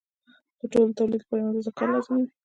د ټولو د تولید لپاره یوه اندازه کار لازم وي